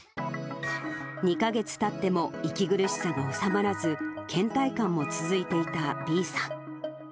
２か月たっても息苦しさが治まらず、けん怠感も続いていたＢさん。